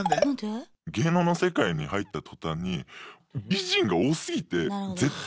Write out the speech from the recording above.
芸能の世界に入った途端に美人が多すぎて絶対埋もれるんで。